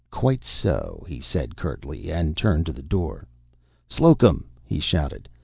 "Quite so," he said curtly, and, turned to the door. "Slocum!" he shouted.